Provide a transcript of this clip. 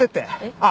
あっ！